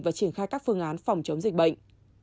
và triển khai các phương án phòng chống dịch bệnh